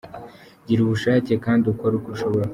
Gira ubushake kandi ukore uko ushoboye.